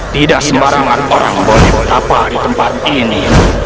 tidak sebarang orang boleh berapa di tempat ini